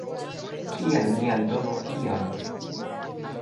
Kial mi aldonu ion.